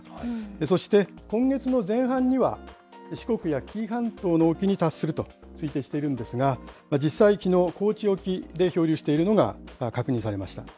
そして今月の前半には、四国や紀伊半島の沖に達すると推定しているんですが、実際、きのう、高知沖で漂流しているのが確認されました。